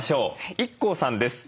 ＩＫＫＯさんです。